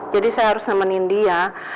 jadi saya harus nemenin dia